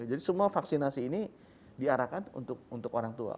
jadi semua vaksinasi ini diarahkan untuk orang tua